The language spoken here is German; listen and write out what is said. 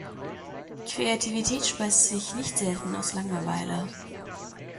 Kreativität speist sich nicht selten aus Langeweile.